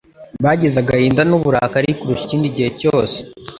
Bagize agahinda n'uburakari kurusha ikindi gihe cyose,